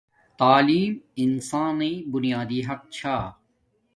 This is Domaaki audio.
تعلیم انسان نݵ بییادی حق چھا